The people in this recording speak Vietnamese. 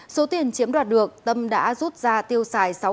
số tiền chiếm đoạt được tâm đã rút ra tiêu xài